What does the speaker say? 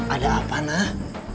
ada apa nah